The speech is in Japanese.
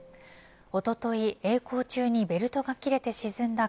おととい、えい航中にベルトが切れて沈んだ